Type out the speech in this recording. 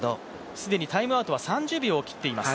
既にタイムアウトは３０秒を切っています。